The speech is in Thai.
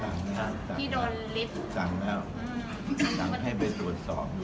ให้ไปตรวจสอบดูแล้วให้ทางตรวจสอบดู